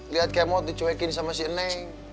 lihat kemo dicuekin sama si neng